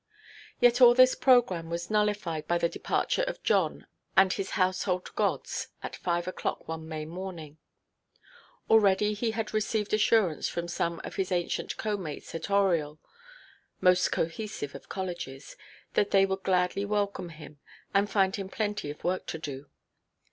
Yet all this programme was nullified by the departure of John and his household gods at five oʼclock one May morning. Already he had received assurance from some of his ancient co–mates at Oriel (most cohesive of colleges) that they would gladly welcome him, and find him plenty of work to do.